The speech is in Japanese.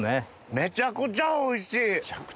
めちゃくちゃおいしい。